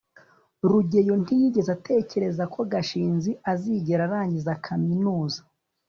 rugeyo ntiyigeze atekereza ko gashinzi azigera arangiza kaminuza